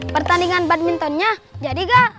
pertandingan badmintonnya jadi gak